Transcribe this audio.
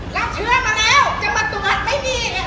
รับเชื้อมาแล้วจะมาตรวจไม่ดีอีก